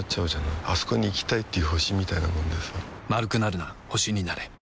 あそこに行きたいっていう星みたいなもんでさ